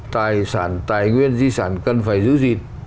tài sản tài nguyên di sản cần phải giữ gìn